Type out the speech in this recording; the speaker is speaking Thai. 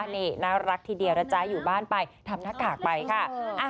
นี่น่ารักทีเดียวนะจ๊ะอยู่บ้านไปทำหน้ากากไปค่ะ